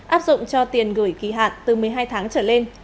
áp dụng cho tiền gửi kỳ hạn từ một mươi hai tháng trở lên